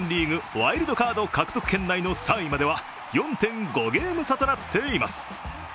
ワイルドカード獲得圏内の３位までは４．５ゲーム差となっています。